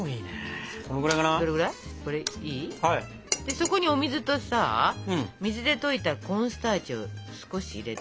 そこにお水とさ水で溶いたコーンスターチを少し入れて。